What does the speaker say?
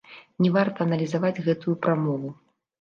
Не варта аналізаваць гэтую прамову.